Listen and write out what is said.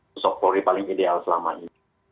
sosok polri paling ideal selama ini